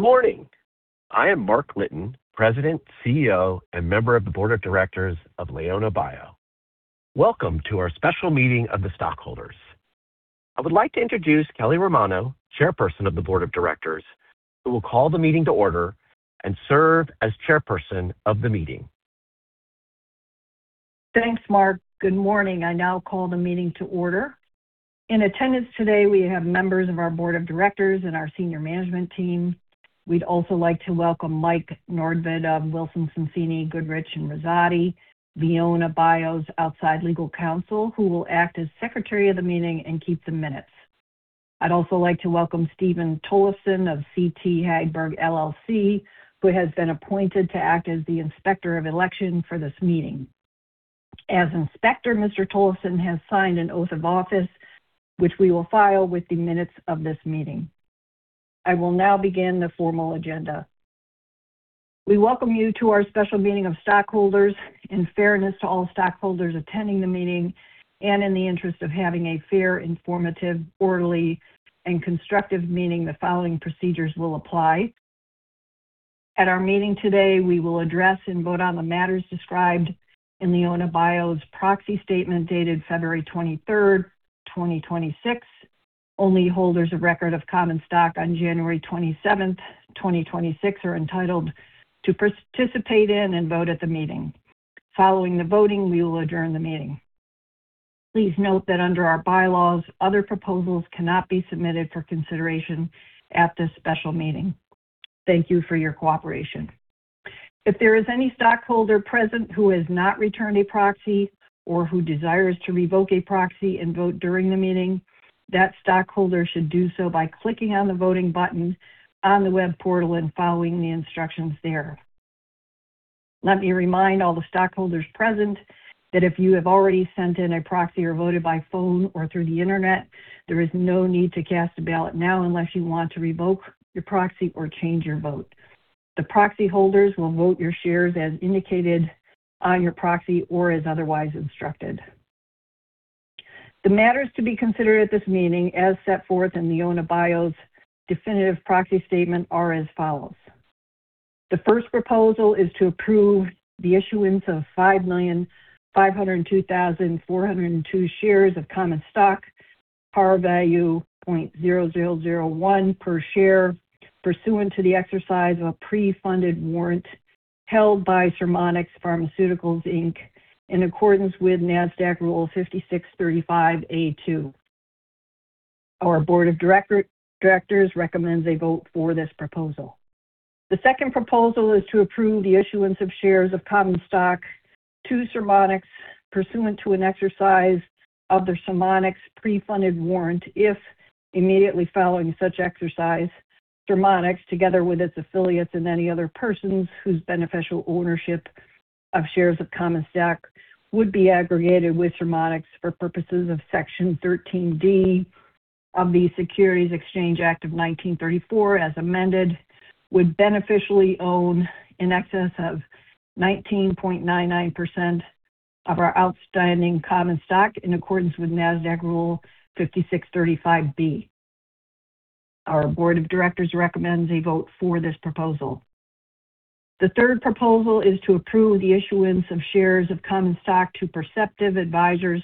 Good morning. I am Mark Litton, President, CEO, and Member of the Board of Directors of LeonaBio. Welcome to our special meeting of the stockholders. I would like to introduce Kelly Romano, Chairperson of the Board of Directors, who will call the meeting to order and serve as chairperson of the meeting. Thanks, Mark. Good morning. I now call the meeting to order. In attendance today, we have members of our board of directors and our senior management team. We'd also like to welcome Michael Nordtvedt of Wilson Sonsini Goodrich & Rosati, LeonaBio's outside legal counsel, who will act as secretary of the meeting and keep the minutes. I'd also like to welcome Steven Tollefson of C.T. Hagberg LLC, who has been appointed to act as the Inspector of Election for this meeting. As inspector, Mr. Tollefson has signed an oath of office, which we will file with the minutes of this meeting. I will now begin the formal agenda. We welcome you to our special meeting of stockholders. In fairness to all stockholders attending the meeting and in the interest of having a fair, informative, orderly, and constructive meeting, the following procedures will apply. At our meeting today, we will address and vote on the matters described in LeonaBio's proxy statement dated 23rd of February 2026. Only holders of record of common stock on 27th of January 2026 are entitled to participate in and vote at the meeting. Following the voting, we will adjourn the meeting. Please note that under our bylaws, other proposals cannot be submitted for consideration at this special meeting. Thank you for your cooperation. If there is any stockholder present who has not returned a proxy or who desires to revoke a proxy and vote during the meeting, that stockholder should do so by clicking on the voting button on the web portal and following the instructions there. Let me remind all the stockholders present that if you have already sent in a proxy or voted by phone or through the Internet, there is no need to cast a ballot now unless you want to revoke your proxy or change your vote. The proxy holders will vote your shares as indicated on your proxy or as otherwise instructed. The matters to be considered at this meeting, as set forth in LeonaBio's definitive proxy statement, are as follows. The first proposal is to approve the issuance of 5,502,402 shares of common stock, par value $0.0001 per share, pursuant to the exercise of a pre-funded warrant held by Surmodics Pharmaceuticals Inc., in accordance with Nasdaq Rule 5635(a)(2). Our board of directors recommends a vote for this proposal. The second proposal is to approve the issuance of shares of common stock to Surmodics pursuant to an exercise of their Surmodics pre-funded warrant if, immediately following such exercise, Surmodics, together with its affiliates and any other persons whose beneficial ownership of shares of common stock would be aggregated with Surmodics for purposes of Section 13(d) of the Securities Exchange Act of 1934, as amended, would beneficially own in excess of 19.99% of our outstanding common stock in accordance with Nasdaq Rule 5635(b). Our board of directors recommends a vote for this proposal. The third proposal is to approve the issuance of shares of common stock to Perceptive Advisors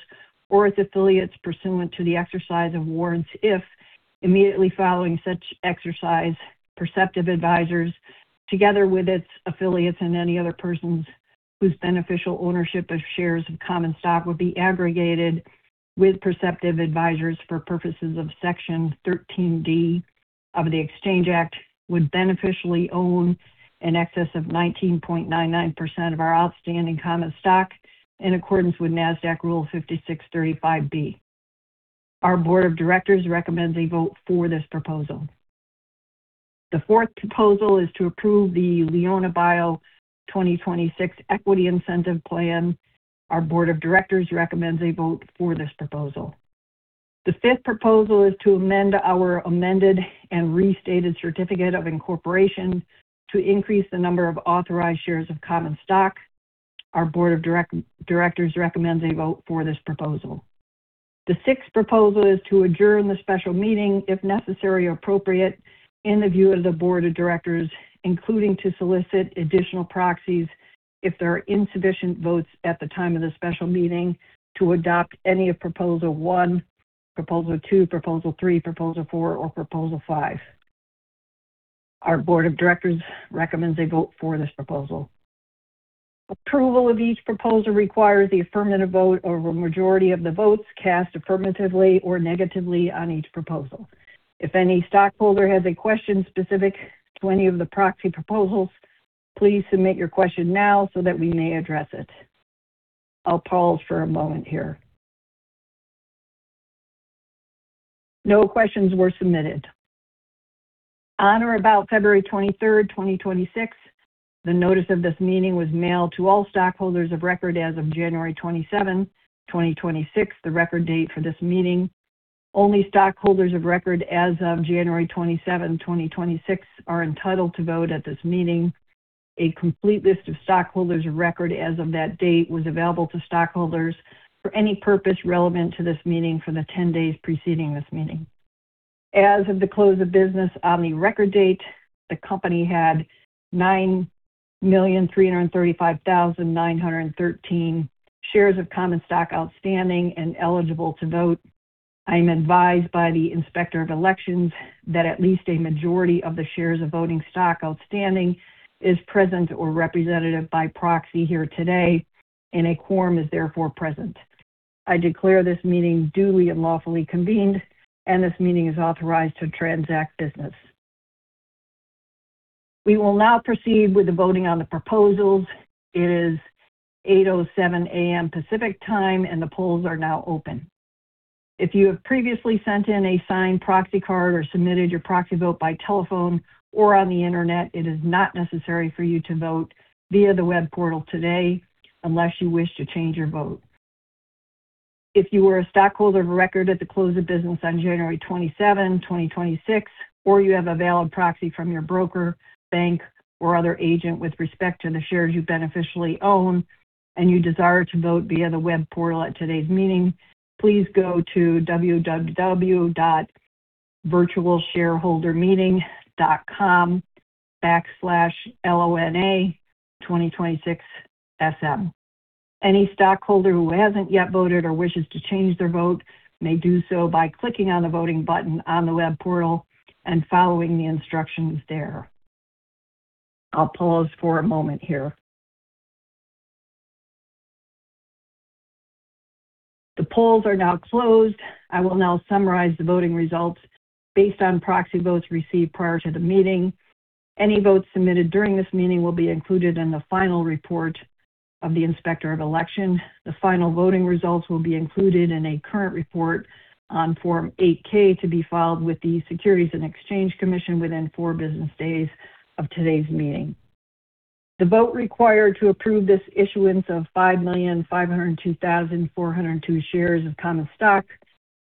or its affiliates pursuant to the exercise of warrants. If, immediately following such exercise, Perceptive Advisors, together with its affiliates and any other persons whose beneficial ownership of shares of common stock would be aggregated with Perceptive Advisors for purposes of Section 13(d) of the Exchange Act, would beneficially own in excess of 19.99% of our outstanding common stock in accordance with Nasdaq Rule 5635(b). Our board of directors recommends a vote for this proposal. The fourth proposal is to approve the LeonaBio 2026 Equity Incentive Plan. Our board of directors recommends a vote for this proposal. The fifth proposal is to amend our amended and restated certificate of incorporation to increase the number of authorized shares of common stock. Our board of directors recommends a vote for this proposal. The sixth proposal is to adjourn the special meeting, if necessary or appropriate in the view of the board of directors, including to solicit additional proxies if there are insufficient votes at the time of the special meeting to adopt any of proposal one, proposal two, proposal three, proposal four, or proposal five. Our board of directors recommends a vote for this proposal. Approval of each proposal requires the affirmative vote or a majority of the votes cast affirmatively or negatively on each proposal. If any stockholder has a question specific to any of the proxy proposals, please submit your question now so that we may address it. I'll pause for a moment here. No questions were submitted. On or about 23rd of February 2026, the notice of this meeting was mailed to all stockholders of record as of 27th of January 2026, the record date for this meeting. Only stockholders of record as of 27th of January 2026 are entitled to vote at this meeting. A complete list of stockholders of record as of that date was available to stockholders for any purpose relevant to this meeting for the 10 days preceding this meeting. As of the close of business on the record date, the company had 9,335,913 shares of common stock outstanding and eligible to vote. I am advised by the Inspector of Elections that at least a majority of the shares of voting stock outstanding is present or represented by proxy here today, and a quorum is therefore present. I declare this meeting duly and lawfully convened, and this meeting is authorized to transact business. We will now proceed with the voting on the proposals. It is 8:07 A.M. Pacific Time, and the polls are now open. If you have previously sent in a signed proxy card or submitted your proxy vote by telephone or on the Internet, it is not necessary for you to vote via the web portal today unless you wish to change your vote. If you were a stockholder of record at the close of business on 27th of January 2026, or you have a valid proxy from your broker, bank, or other agent with respect to the shares you beneficially own and you desire to vote via the web portal at today's meeting, please go to www.virtualshareholdermeeting.com/LONA2026SM. Any stockholder who hasn't yet voted or wishes to change their vote may do so by clicking on the voting button on the web portal and following the instructions there. I'll pause for a moment here. The polls are now closed. I will now summarize the voting results based on proxy votes received prior to the meeting. Any votes submitted during this meeting will be included in the final report of the Inspector of Election. The final voting results will be included in a current report on Form 8-K to be filed with the Securities and Exchange Commission within four business days of today's meeting. The vote required to approve this issuance of 5,502,402 shares of common stock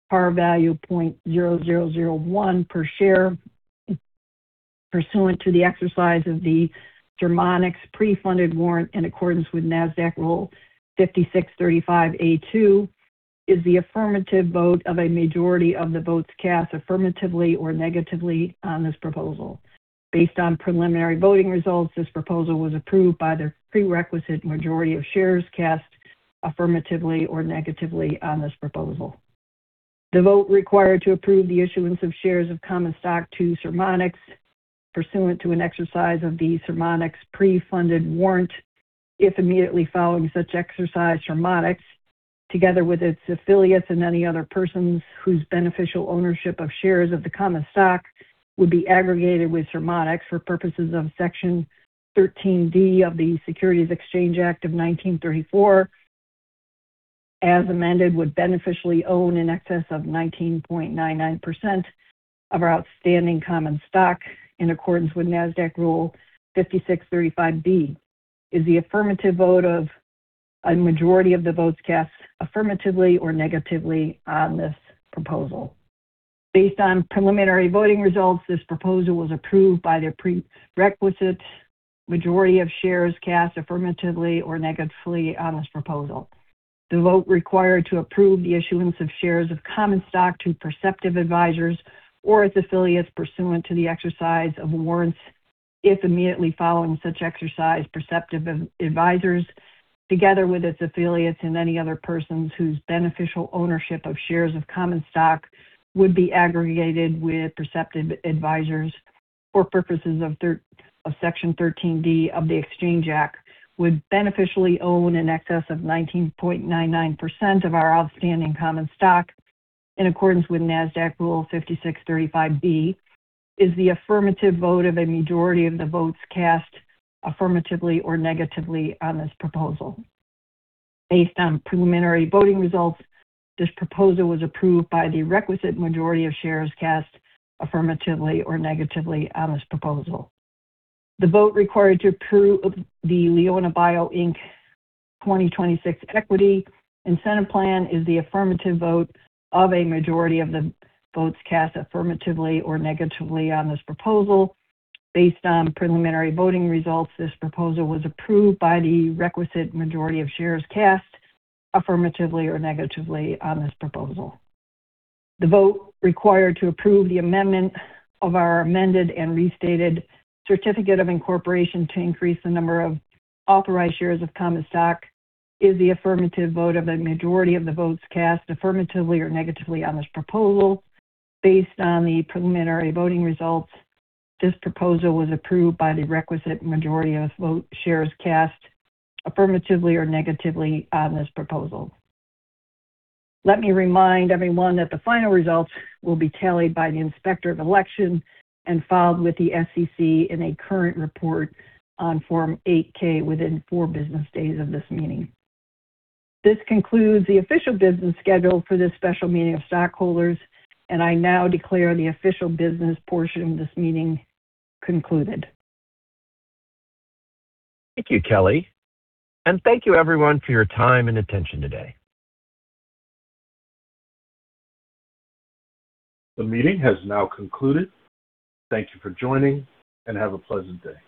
par value $0.0001 per share, pursuant to the exercise of the Surmodics pre-funded warrant in accordance with Nasdaq Rule 5635(a)(2), is the affirmative vote of a majority of the votes cast affirmatively or negatively on this proposal. Based on preliminary voting results, this proposal was approved by the required majority of shares cast affirmatively or negatively on this proposal. The vote required to approve the issuance of shares of common stock to Surmodics pursuant to an exercise of the Surmodics pre-funded warrant if immediately following such exercise, Surmodics, together with its affiliates and any other persons whose beneficial ownership of shares of the common stock would be aggregated with Surmodics for purposes of Section 13(d) of the Securities Exchange Act of 1934, as amended, would beneficially own in excess of 19.99% of our outstanding common stock in accordance with Nasdaq Rule 5635(b) is the affirmative vote of a majority of the votes cast affirmatively or negatively on this proposal. Based on preliminary voting results, this proposal was approved by the requisite majority of shares cast affirmatively or negatively on this proposal. The vote required to approve the issuance of shares of common stock to Perceptive Advisors or its affiliates pursuant to the exercise of warrants if immediately following such exercise, Perceptive Advisors, together with its affiliates and any other persons whose beneficial ownership of shares of common stock would be aggregated with Perceptive Advisors for purposes of Section 13(d) of the Exchange Act, would beneficially own in excess of 19.99% of our outstanding common stock in accordance with Nasdaq Rule 5635(b) is the affirmative vote of a majority of the votes cast affirmatively or negatively on this proposal. Based on preliminary voting results, this proposal was approved by the requisite majority of shares cast affirmatively or negatively on this proposal. The vote required to approve the LeonaBio, Inc. 2026 Equity Incentive Plan is the affirmative vote of a majority of the votes cast affirmatively or negatively on this proposal. Based on preliminary voting results, this proposal was approved by the requisite majority of shares cast affirmatively or negatively on this proposal. The vote required to approve the amendment of our amended and restated certificate of incorporation to increase the number of authorized shares of common stock is the affirmative vote of a majority of the votes cast affirmatively or negatively on this proposal. Based on the preliminary voting results, this proposal was approved by the requisite majority of vote shares cast affirmatively or negatively on this proposal. Let me remind everyone that the final results will be tallied by the Inspector of Election and filed with the SEC in a current report on Form 8-K within 4 business days of this meeting. This concludes the official business schedule for this special meeting of stockholders. I now declare the official business portion of this meeting concluded. Thank you, Kelly. Thank you everyone for your time and attention today. The meeting has now concluded. Thank you for joining and have a pleasant day.